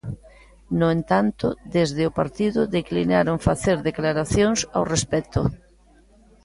No entanto, desde o partido declinaron facer declaracións ao respecto.